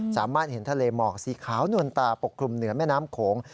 สามารถเห็นทะเลหมอกสีขาวนวลตาปกคลุมเหนือแม่น้ำโขง